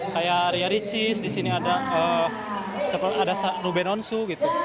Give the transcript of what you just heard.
kayak ria ricis disini ada ruben onsu gitu